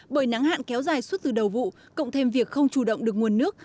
bởi nắng hạn kéo dài suốt từ đầu vụ cộng thêm việc không chủ động được nguồn nước